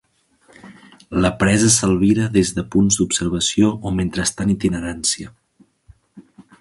La presa s'albira des de punts d'observació o mentre està en itinerància.